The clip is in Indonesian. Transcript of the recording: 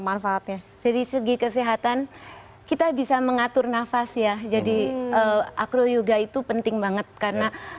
manfaatnya jadi segi kesehatan kita bisa mengatur nafas ya jadi acroyoga itu penting banget karena